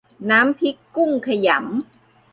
น้ำพริกกุ้งขยำ